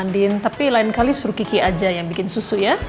tapi lain kali suruh kiki aja yang bikin susu ya